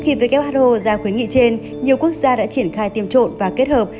trước khi who ra khuyến nghị trên nhiều quốc gia đã triển khai tiêm trộn và kết hợp